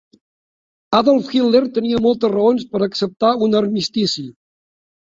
Adolf Hitler tenia moltes raons per acceptar un armistici.